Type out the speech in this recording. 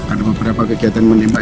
ada beberapa kegiatan menembak